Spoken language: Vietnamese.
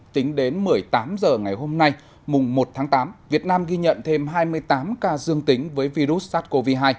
tính đến một mươi tám h ngày hôm nay mùng một tháng tám việt nam ghi nhận thêm hai mươi tám ca dương tính với virus sars cov hai